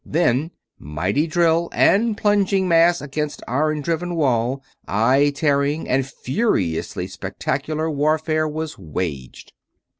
Then, mighty drill and plunging mass against iron driven wall, eye tearing and furiously spectacular warfare was waged.